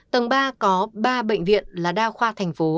tầng ba có ba bệnh viện là đa khoa thành phố